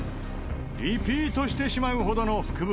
リピートしてしまうほどの福袋。